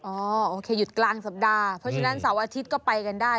โอเคหยุดกลางสัปดาห์เพราะฉะนั้นเสาร์อาทิตย์ก็ไปกันได้